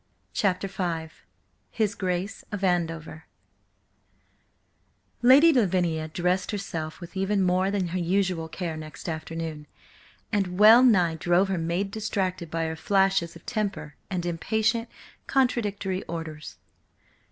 CHAPTER V HIS GRACE OF ANDOVER LADY LAVINIA dressed herself with even more than her usual care next afternoon, and well nigh drove her maid distracted by her flashes of temper and impatient, contradictory orders.